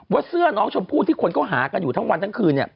เสื้อน้องชมพู่ที่คนก็หากันอยู่ทั้งวันทั้งคืน